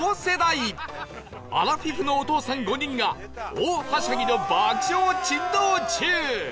アラフィフのお父さん５人が大はしゃぎの爆笑珍道中！